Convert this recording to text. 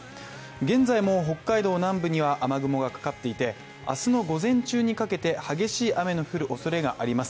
現在も北海道南部には、雨雲がかかっていて明日の午前中にかけて激しい雨の降るおそれがあります。